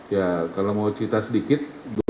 ya kalau mau cerita sedikit